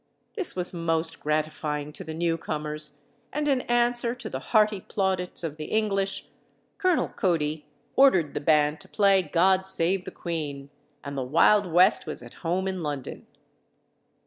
This was most gratifying to the newcomers, and in answer to the hearty plaudits of the English, Colonel Cody ordered the band to play "God Save the Queen," and the Wild West was at home in London.